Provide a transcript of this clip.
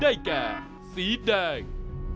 ได้แก่สีแดง